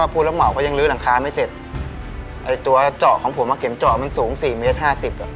บังคับว่าเจ้าของผมอะไรเข็มเจาะสูง๔เมตร๕๐อ่ะ